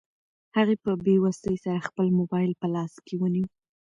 هغې په بې وسۍ سره خپل موبایل په لاس کې ونیو.